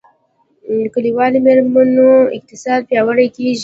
د کلیوالي میرمنو اقتصاد پیاوړی کیږي